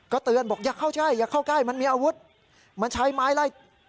ก็เตือนบอกอย่าเข้าใกล้มันมีอาวุธมันใช้ไม้ไล่